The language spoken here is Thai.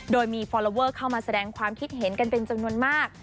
โดยมีฟอลลอเวอร์เข้ามาแสดงความคิดเห็นกันเป็นจำนวนมาก